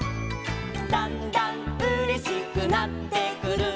「だんだんうれしくなってくる」